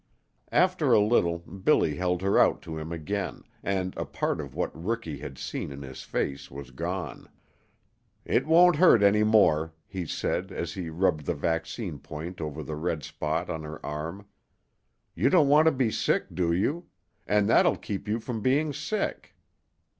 After a little Billy held her out to him again, and a part of what Rookie had seen in his face was gone. "It won't hurt any more," he said, as he rubbed the vaccine point over the red spot on her arm. "You don't want to be sick, do you? And that 'll keep you from being sick.